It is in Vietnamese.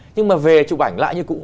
nhưng mà về chụp ảnh lại như cũ